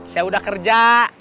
saya udah kerja